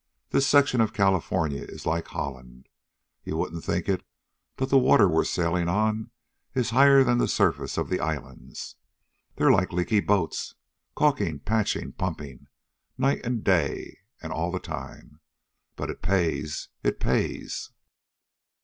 This section of California is like Holland. You wouldn't think it, but this water we're sailing on is higher than the surface of the islands. They're like leaky boats calking, patching, pumping, night and day and all the time. But it pays. It pays."